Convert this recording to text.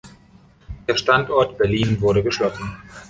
Der Standort Berlin wurde geschlossen.